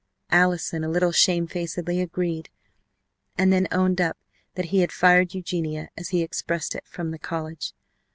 Allison, a little shamefacedly, agreed, and then owned up that he had "fired" Eugenia, as he expressed it, from the college.